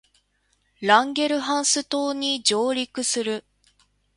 ランゲルハンス島に上陸する